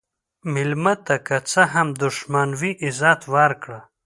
مېلمه ته که څه هم دښمن وي، عزت ورکړه.